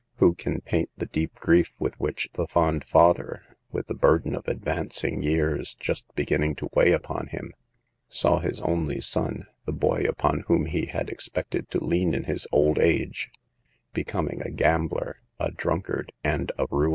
Who can paint the deep grief with which the fond father, with the burden of advancing years just beginning to weigh upon him, saw his only son, the boy upon whom he had ex pected to lean in his old age, becoming a gambler, a drunkard and a roue?